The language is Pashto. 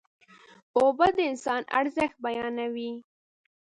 اوبه د انسان ارزښت بیانوي.